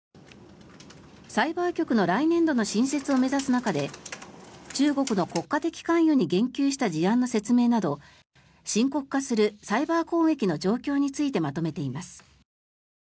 サイバー局の来年度の新設を目指す中で中国の国家的関与に言及した事案の説明など深刻化するサイバー攻撃の状況についてまとめています。